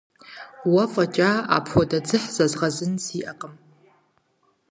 Уэ фӀэкӀа апхуэдэ дзыхь зэзгъэзын сиӀэкъым.